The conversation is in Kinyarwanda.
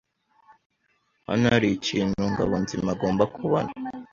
Hano hari ikintu Ngabonziza agomba kubona.